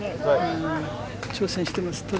挑戦しています。